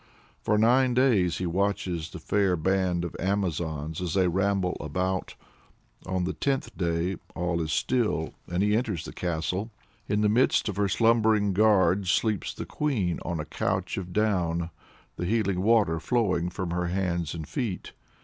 For nine days he watches the fair band of Amazons as they ramble about. On the tenth day all is still, and he enters the castle. In the midst of her slumbering guards sleeps the Queen on a couch of down, the healing water flowing from her hands and feet.